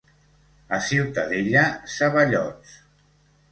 A Ciutadella, ceballots.